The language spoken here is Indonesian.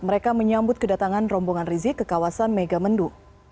mereka menyambut kedatangan rombongan rizik ke kawasan megamendung